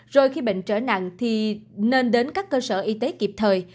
rồi khi bệnh trở nặng thì nên đến các cơ sở y tế kịp thời